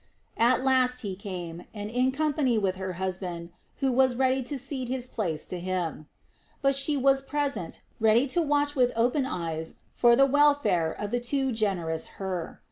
At last he came, and in company with her husband, who was ready to cede his place to him. But she was present, ready to watch with open eyes for the welfare of the too generous Hur.